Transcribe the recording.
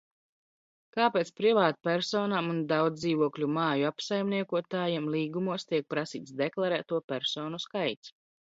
Kāpēc privātpersonām un daudzdzīvokļu māju apsaimniekotājiem līgumos tiek prasīts deklarēto personu skaits?